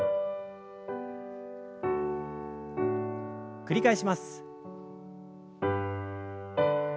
繰り返します。